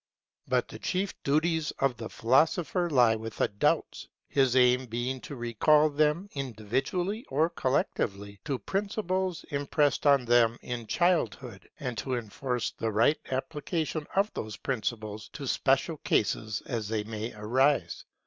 But the chief duties of the philosopher lie with adults; his aim being to recall them, individually or collectively, to principles impressed on them in childhood, and to enforce the right application of these principles to special cases as they may arise.